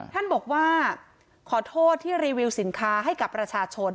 ท่านบอกว่าขอโทษที่รีวิวสินค้าให้กับประชาชน